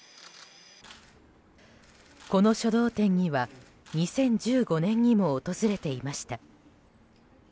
この書道展には２０１５年にも訪れていました。